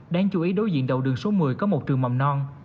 đáng chú ý đối diện đầu đường số một mươi có một trường mầm non